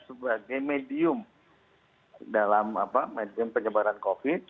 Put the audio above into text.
sebagai medium dalam medium penyebaran covid sembilan belas